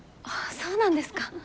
そうなんですか。